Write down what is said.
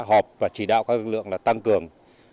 họp và chỉ đạo các lực lượng là tăng cường